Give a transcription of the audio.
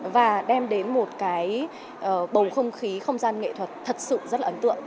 và đem đến một cái bầu không khí không gian nghệ thuật thật sự rất là ấn tượng